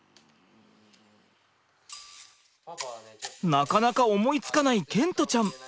なかなか思いつかない賢澄ちゃん。